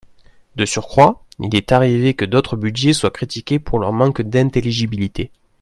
De surcroît, il est arrivé que d’autres budgets soient critiqués pour leur manque d’intelligibilité.